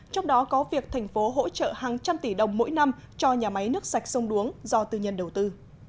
trong đó có việc thành phố hỗ trợ hàng trăm tỷ đồng mỗi năm cho nhà máy nước sạch sông đuống do tư nhân đầu tư